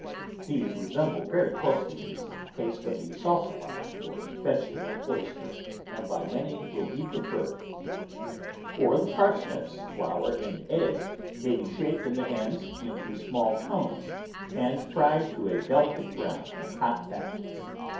These resemble very ROOT VEGETABLES closely the taste of the salsify or vegetable oyster, and by many will be preferred. Or the parsnips, flour, and egg may be shaped in the hands into small cones and fried to a deli cate brown in hot fat.